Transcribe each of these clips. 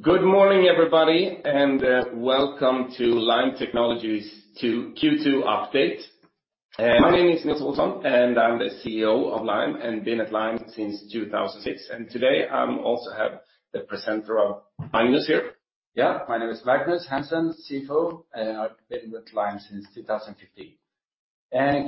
Good morning, everybody, and welcome to Lime Technologies to Q2 update. My name is Nils Olsson, and I'm the CEO of Lime and been at Lime since 2006. Today, I also have the presenter of Magnus here. Yeah. My name is Magnus Hansson, CFO, and I've been with Lime since 2015.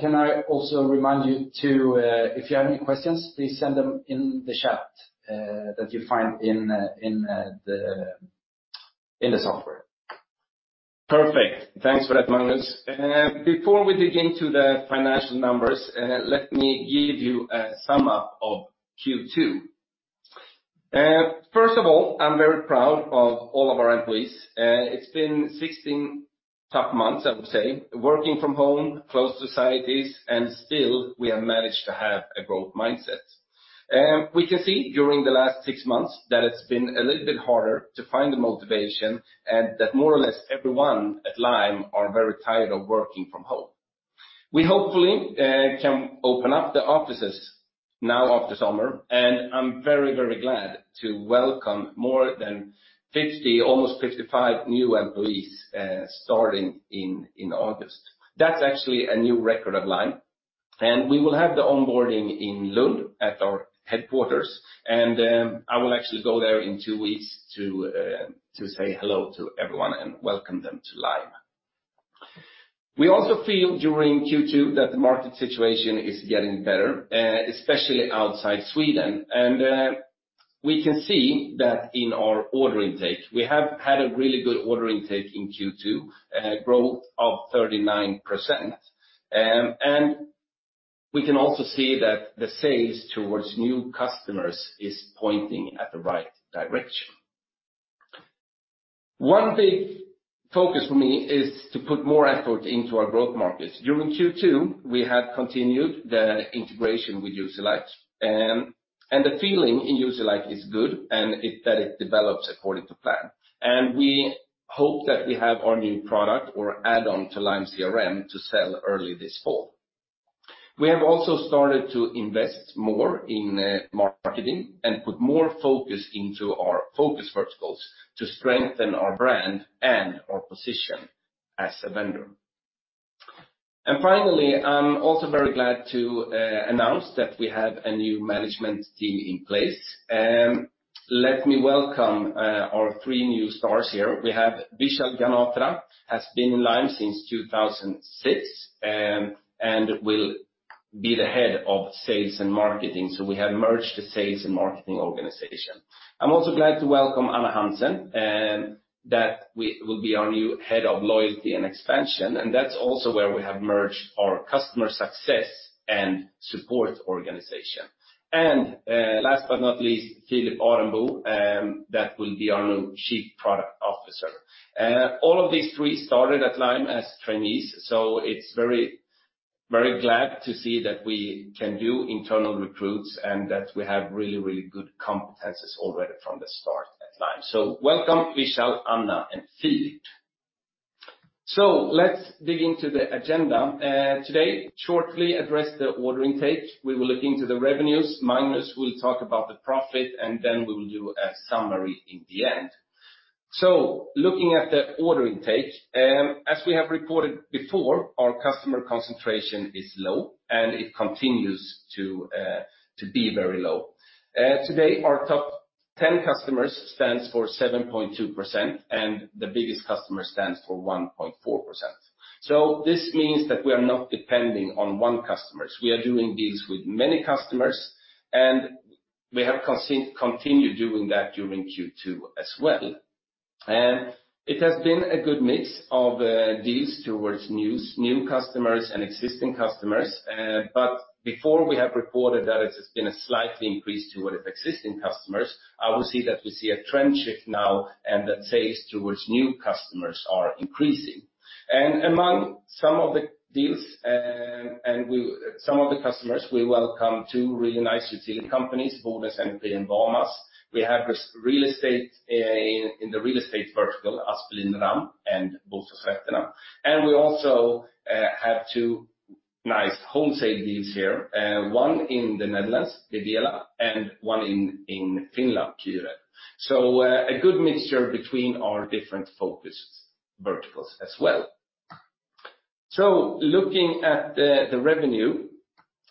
Can I also remind you too, if you have any questions, please send them in the chat, that you find in the software? Perfect. Thanks for that, Magnus. Before we dig into the financial numbers, let me give you a sum up of Q2. I'm very proud of all of our employees. It's been 16 tough months, I would say, working from home, closed societies. Still we have managed to have a growth mindset. We can see during the last six months that it's been a little bit harder to find the motivation and that more or less everyone at Lime are very tired of working from home. We hopefully can open up the offices now after summer. I'm very glad to welcome more than 50, almost 55 new employees, starting in August. That's actually a new record of Lime. We will have the onboarding in Lund at our headquarters. I will actually go there in two weeks to say hello to everyone and welcome them to Lime. We also feel during Q2 that the market situation is getting better, especially outside Sweden. We can see that in our order intake. We have had a really good order intake in Q2, growth of 39%. We can also see that the sales towards new customers is pointing at the right direction. One big focus for me is to put more effort into our growth markets. During Q2, we have continued the integration with Userlike. The feeling in Userlike is good and that it develops according to plan. We hope that we have our new product or add-on to Lime CRM to sell early this fall. We have also started to invest more in marketing and put more focus into our focus verticals to strengthen our brand and our position as a vendor. Finally, I'm also very glad to announce that we have a new management team in place. Let me welcome our three new stars here. We have Vishal Ganatra, has been in Lime since 2006, and will be the Head of Sales and Marketing, so we have merged the sales and marketing organization. I'm also glad to welcome Anna Hansen, that will be our new Head of Loyalty and Expansion, and that's also where we have merged our customer success and support organization. Last but not least, Filip Arenbo, that will be our new Chief Product Officer. All of these three started at Lime as trainees, it's very glad to see that we can do internal recruits and that we have really good competencies already from the start at Lime. Welcome, Vishal, Anna, and Filip. Let's dig into the agenda. Today, shortly address the order intake. We will look into the revenues. Magnus will talk about the profit, and then we will do a summary in the end. Looking at the order intake, as we have reported before, our customer concentration is low, and it continues to be very low. Today, our top 10 customers stands for 7.2%, and the biggest customer stands for 1.4%. This means that we are not depending on one customer. We are doing deals with many customers, and we have continued doing that during Q2 as well. It has been a good mix of deals towards new customers and existing customers. Before we have reported that it has been a slightly increase towards existing customers. I will say that we see a trend shift now, and that sales towards new customers are increasing. Among some of the deals, some of the customers, we welcome two really nice utility companies, Bevela and VAMAS. We have in the real estate vertical, Aspelin Ramm and Bostadsrätterna. We also have two nice wholesale deals here, one in the Netherlands, Bevela, and one in Finland, Kyrev. A good mixture between our different focus verticals as well. Looking at the revenue,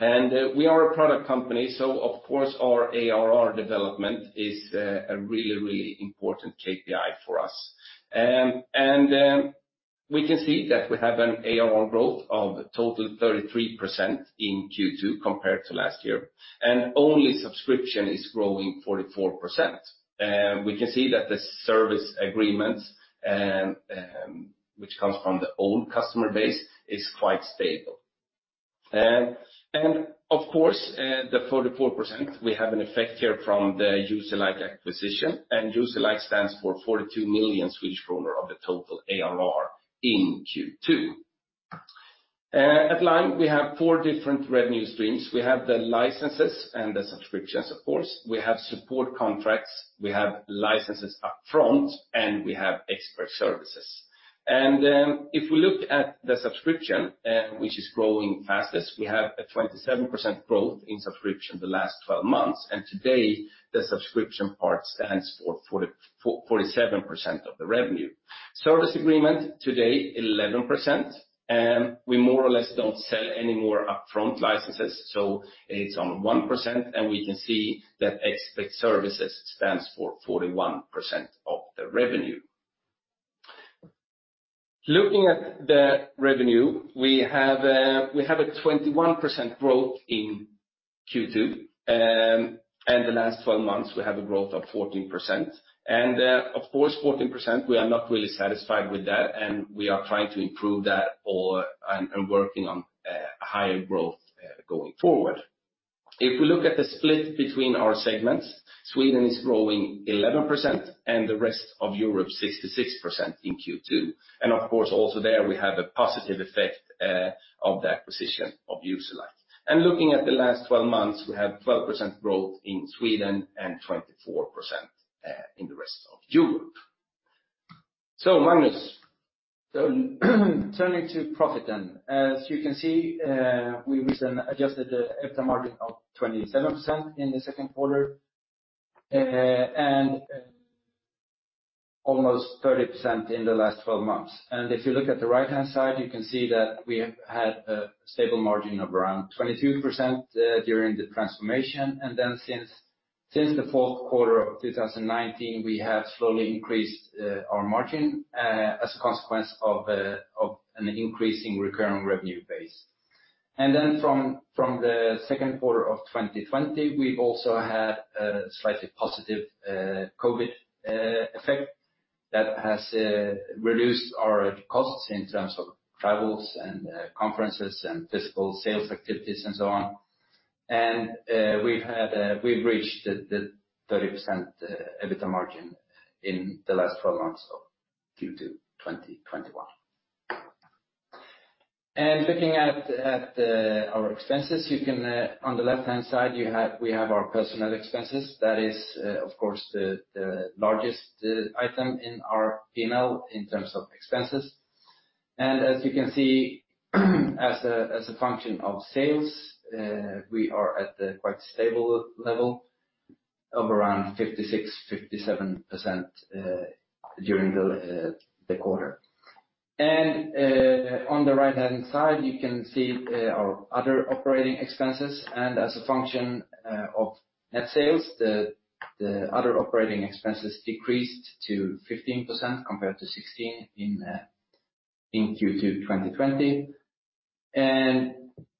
and we are a product company, so of course our ARR development is a really important KPI for us. We can see that we have an ARR growth of total 33% in Q2 compared to last year, and only subscription is growing 44%. We can see that the service agreement, which comes from the old customer base, is quite stable. Of course, the 44%, we have an effect here from the Userlike acquisition, and Userlike stands for 42 million Swedish kronor of the total ARR in Q2. At Lime, we have FOUR different revenue streams. We have the licenses and the subscriptions, of course. We have support contracts. We have licenses up front, and we have expert services. If we look at the subscription, which is growing fastest, we have a 27% growth in subscription the last 12 months. Today, the subscription part stands for 47% of the revenue. Service agreement today 11%. We more or less don't sell any more upfront licenses, so it's on 1%. We can see that expert services stands for 41% of the revenue. Looking at the revenue, we have a 21% growth in Q2. The last 12 months, we have a growth of 14%. Of course, 14%, we are not really satisfied with that, and we are trying to improve that and working on a higher growth going forward. If we look at the split between our segments, Sweden is growing 11% and the rest of Europe 66% in Q2. Of course, also there, we have a positive effect of the acquisition of Userlike. Looking at the last 12 months, we have 12% growth in Sweden and 24% in the rest of Europe. Magnus. Turning to profit. As you can see, we reached an adjusted EBITDA margin of 27% in the second quarter, and almost 30% in the last 12 months. If you look at the right-hand side, you can see that we have had a stable margin of around 22% during the transformation. Since the fourth quarter of 2019, we have slowly increased our margin as a consequence of an increasing recurring revenue base. From the second quarter of 2020, we've also had a slightly positive COVID effect that has reduced our costs in terms of travels and conferences and physical sales activities and so on. We've reached the 30% EBITDA margin in the last 12 months of Q2 2021. Looking at our expenses, on the left-hand side, we have our personnel expenses. That is, of course, the largest item in our P&L in terms of expenses. As you can see, as a function of sales, we are at a quite stable level of around 56%-57% during the quarter. On the right-hand side, you can see our other operating expenses. As a function of net sales, the other operating expenses decreased to 15% compared to 16% in Q2 2020.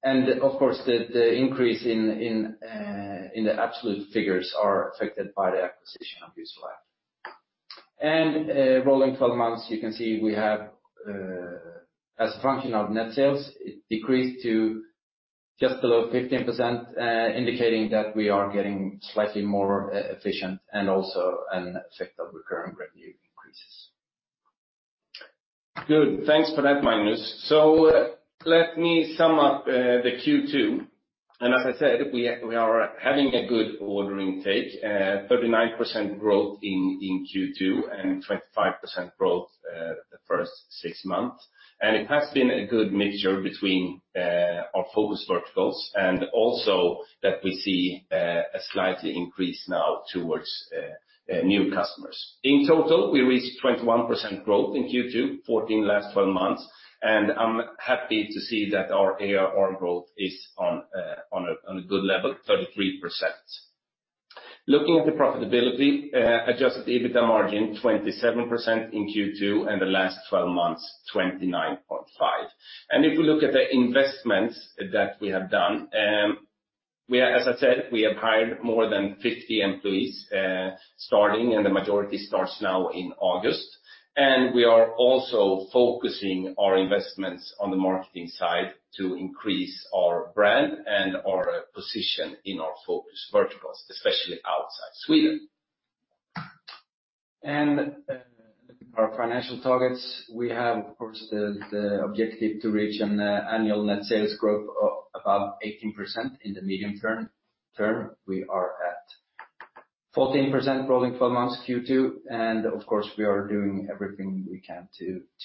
Of course, the increase in the absolute figures are affected by the acquisition of Userlike. Rolling 12 months, you can see we have, as a function of net sales, it decreased to just below 15%, indicating that we are getting slightly more efficient and also an effect of recurring revenue increases. Good. Thanks for that, Magnus. Let me sum up the Q2. As I said, we are having a good order intake, 39% growth in Q2 and 25% growth the first 6 months. It has been a good mixture between our focus verticals and also that we see a slight increase now towards new customers. In total, we reached 21% growth in Q2, 14% last 12 months, and I'm happy to see that our ARR growth is on a good level, 33%. Looking at the profitability, adjusted EBITDA margin 27% in Q2 and the last 12 months, 29.5%. If we look at the investments that we have done, as I said, we have hired more than 50 employees starting, and the majority starts now in August. We are also focusing our investments on the marketing side to increase our brand and our position in our focus verticals, especially outside Sweden. Our financial targets, we have, of course, the objective to reach an annual net sales growth of above 18% in the medium term. We are at 14% rolling 12 months Q2, and of course, we are doing everything we can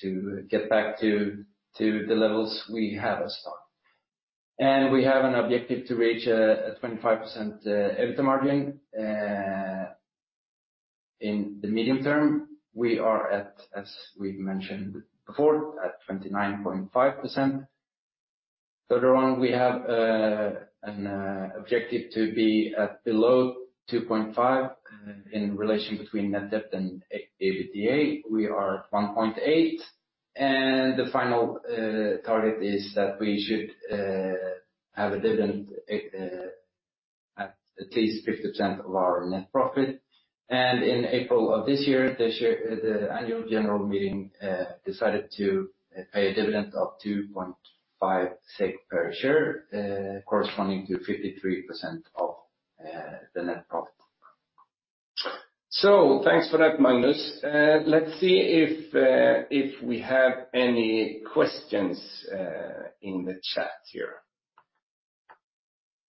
to get back to the levels we had as stock. We have an objective to reach a 25% EBITDA margin. In the medium term, we are at, as we mentioned before, at 29.5%. Further on, we have an objective to be at below 2.5 in relation between net debt and EBITDA. We are 1.8. The final target is that we should have a dividend at least 50% of our net profit. In April of this year, the annual general meeting decided to pay a dividend of 2.5 SEK per share, corresponding to 53% of the net profit. Thanks for that, Magnus. Let's see if we have any questions in the chat here.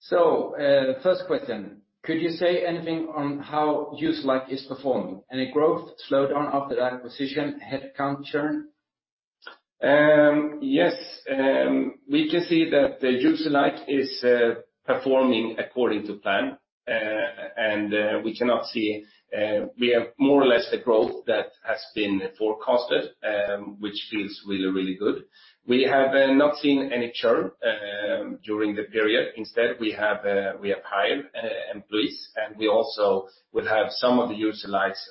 First question, could you say anything on how Userlike is performing? Any growth slowed down after that acquisition, headcount churn? Yes. We can see that the Userlike is performing according to plan. We have more or less the growth that has been forecasted, which feels really, really good. We have not seen any churn during the period. Instead, we have hired employees, and we also will have some of the Userlikes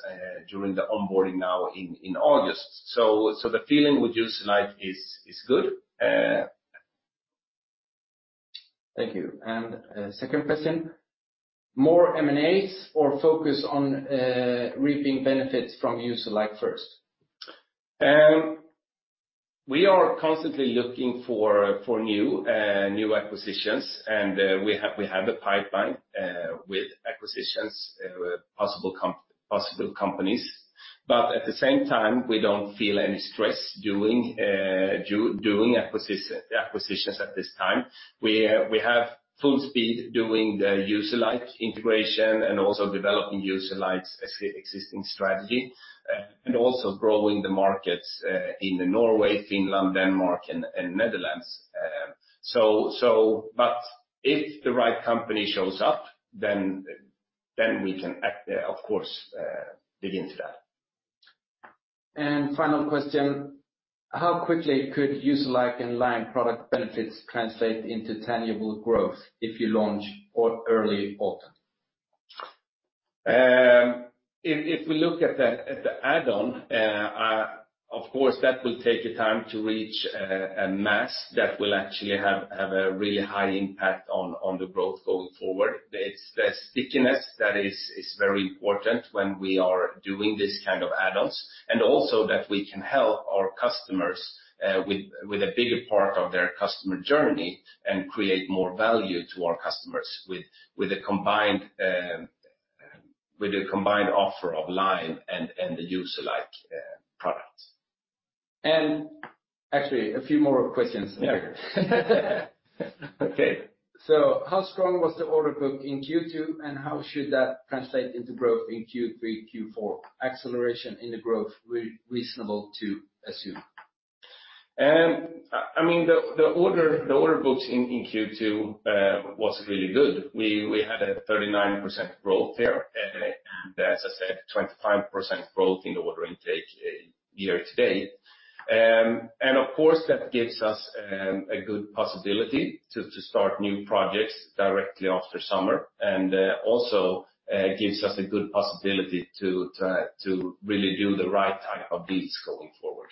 during the onboarding now in August. The feeling with Userlike is good. Thank you. Second question, more M&As or focus on reaping benefits from Userlike first? We are constantly looking for new acquisitions. We have a pipeline with acquisitions with possible companies. At the same time, we don't feel any stress doing acquisitions at this time. We have full speed doing the Userlike integration and also developing Userlike's existing strategy. Also growing the markets in Norway, Finland, Denmark, and Netherlands. If the right company shows up, then we can of course, dig into that. Final question, how quickly could Userlike and Lime product benefits translate into tangible growth if you launch early autumn? If we look at the add-on, of course, that will take time to reach a mass that will actually have a really high impact on the growth going forward. The stickiness that is very important when we are doing this kind of add-ons, and also that we can help our customers with a bigger part of their customer journey and create more value to our customers with the combined offer of Lime and the Userlike products. Actually, a few more questions. Yeah. Okay. How strong was the order book in Q2, and how should that translate into growth in Q3, Q4? Acceleration in the growth reasonable to assume? The order books in Q2 was really good. We had a 39% growth there. As I said, 25% growth in the order intake year to date. Of course, that gives us a good possibility to start new projects directly after summer, and also gives us a good possibility to really do the right type of deals going forward.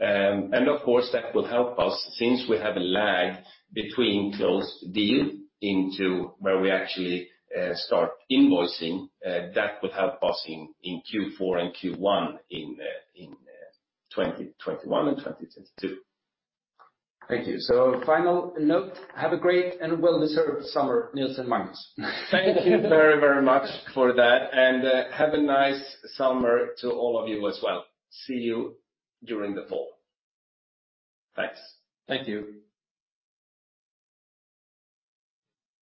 Of course, that will help us since we have a lag between close deal into where we actually start invoicing. That will help us in Q4 and Q1 in 2021 and 2022. Thank you. Final note, have a great and well-deserved summer, Nils and Magnus. Thank you very, very much for that, and have a nice summer to all of you as well. See you during the fall. Thanks. Thank you.